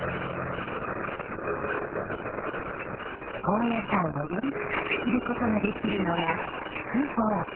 高野山をより深く知ることができるのが宿坊。